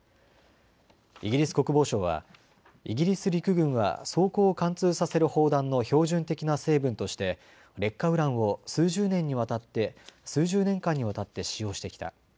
イギリス国防省はイギリス陸軍は装甲を貫通させる砲弾の標準的な成分として劣化ウランを数十年間にわたって使用してきた。